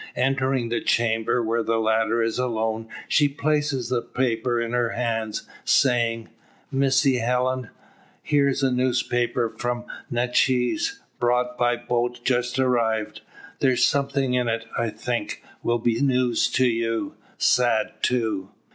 Entering the chamber, where the latter is alone, she places the paper in her hands, saying: "Missy Helen, here's a newspaper from Natchez, brought by a boat just arrived. There's something in it, I think, will be news to you sad too."